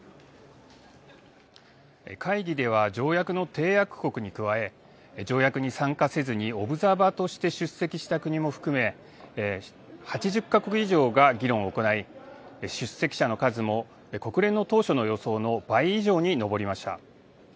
会議では、条約の締約国に加え、条約に参加せずに、オブザーバーとして出席した国も含め、８０か国以上が議論を行い、出席者の数も国連の当初の予想の倍以上に上りました。